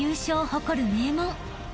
誇る名門］